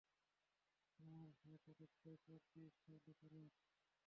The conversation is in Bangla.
আপনার হ্যাট, অনেকটাই পাগড়ি স্টাইলে পরেন।